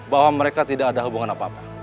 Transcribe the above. bahwa mereka tidak ada hubungan apa apa